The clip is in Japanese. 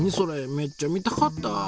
めっちゃ見たかった。